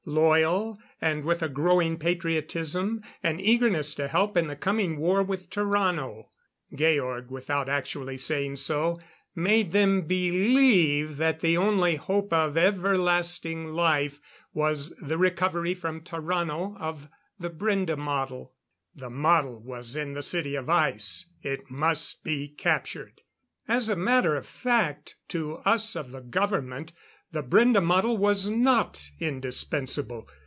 Loyal, and with a growing patriotism, an eagerness to help in the coming war with Tarrano. Georg without actually saying so made them believe that the only hope of everlasting life was the recovery from Tarrano of the Brende model. The model was in the City of Ice; it must be captured. As a matter of fact, to us of the government, the Brende model was not indispensable.